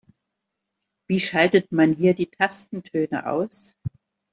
Wie schaltet man hier die Tastentöne aus?